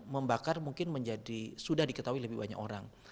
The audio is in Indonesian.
membakar mungkin sudah diketahui lebih banyak orang